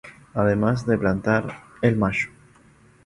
Además de plantar El Mayo.